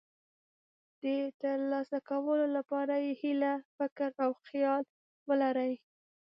د ترلاسه کولو لپاره یې هیله، فکر او خیال ولرئ.